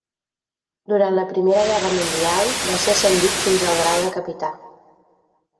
Durant la Primera Guerra Mundial va ser ascendit fins al grau de capità.